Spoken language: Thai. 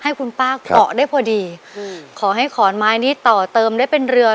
ให้คุณป้าเกาะได้พอดีอืมขอให้ขอนไม้นี้ต่อเติมได้เป็นเรือ